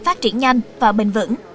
phát triển nhanh và bình vững